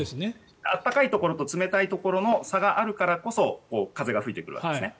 暖かいところ冷たいところの差があるからこそ風が吹いてくるわけですね。